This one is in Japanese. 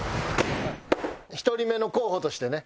１人目の候補としてね